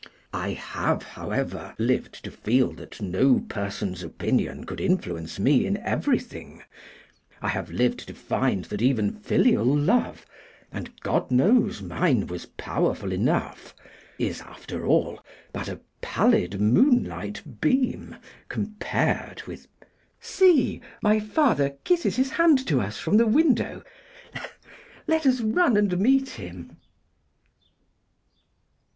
'I have, however, lived to feel that no person's opinion could influence me in everything; I have lived to find that even filial love, and God knows mine was powerful enough, is, after all, but a pallid moonlight beam, compared with ' 'See! my father kisses his hand to us from the window. Let us run and meet him.